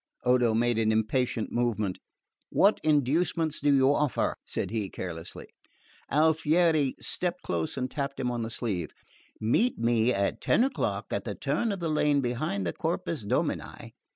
Odo made an impatient movement. "What inducements do you offer?" said he carelessly. Alfieri stepped close and tapped him on the sleeve. "Meet me at ten o'clock at the turn of the lane behind the Corpus Domini.